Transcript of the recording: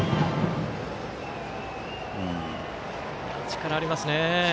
力がありますね。